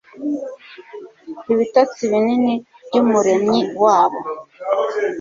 ibitotsi binini byumuremyi wabo